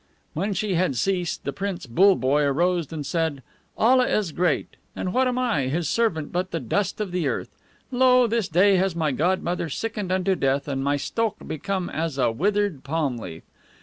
When she had ceased, the Prince BULLEBOYE arose and said, "Allah is great, and what am I, his servant, but the dust of the earth! Lo, this day has my godmother sickened unto death, and my STOKH become as a withered palm leaf.